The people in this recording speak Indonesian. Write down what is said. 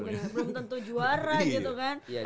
belum tentu juara gitu kan